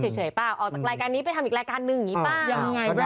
ออกจากรายการนี้ไปทำอีกรายการหนึ่งอย่างนี้เปล่า